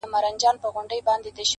له ډيره وخته مو لېږلي دي خوبو ته زړونه.